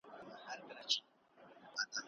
ستا پر مخ د وخت گردونو کړی شپول دی